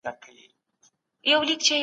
کورنۍ سته.